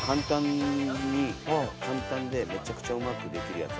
簡単でめちゃくちゃうまくできるやつあんの。